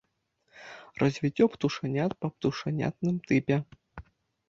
Развіццё птушанят па птушанятным тыпе.